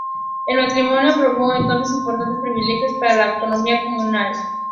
El matrimonio aprobó entonces importantes privilegios para la autonomía comunal.